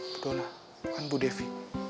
bu dona bukan bu devi